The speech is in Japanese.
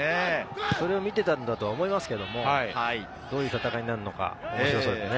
それを見ていたんだと思いますけども、どういう戦いになるのか。